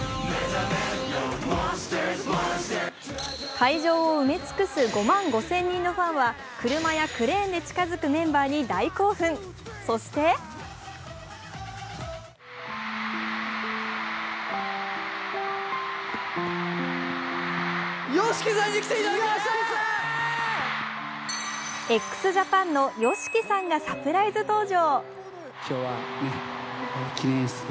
会場を埋め尽くす５万５０００人のファンは車やクレーンで近づくメンバーに大興奮、そしてＸＪＡＰＡＮのＹＯＳＨＩＫＩさんがサプライズ登場。